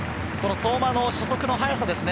相馬の初速の速さですね。